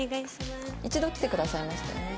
一度来てくださいましたよね。